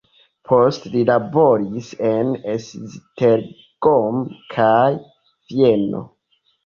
Poste li laboris en Esztergom kaj Vieno.